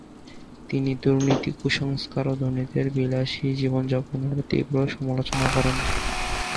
তিনি দুর্নীতি, কুসংস্কার ও ধনীদের বিলাসী জীবনযাপনের তীব্র সমালোচনা করেন।